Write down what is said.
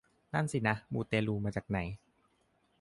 นั่นนะสิ มูเตลูมาจากไหน